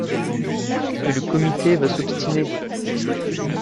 Mais le Comité va s'obstiner.